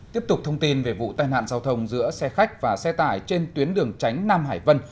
tiếp tục thông tin về vụ tai nạn giao thông giữa xe khách và xe tải trên tuyến đường tránh nam hải vân